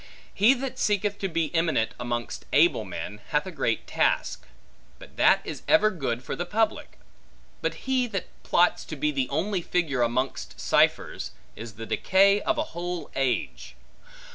He that seeketh to be eminent amongst able men, hath a great task; but that is ever good for the public. But he, that plots to be the only figure amongst ciphers, is the decay of a whole age.